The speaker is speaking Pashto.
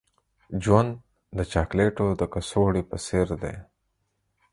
ژوند د چاکلیټو د کڅوړې په څیر دی.